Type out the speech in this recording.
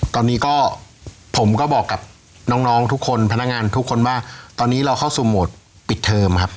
ตอนนี้ก็ผมก็บอกกับน้องทุกคนพนักงานทุกคนว่าตอนนี้เราเข้าสู่โหมดปิดเทอมครับ